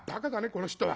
この人は。